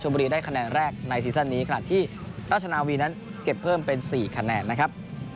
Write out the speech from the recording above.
บุรีได้คะแนนแรกในซีซั่นนี้ขณะที่ราชนาวีนั้นเก็บเพิ่มเป็น๔คะแนนนะครับ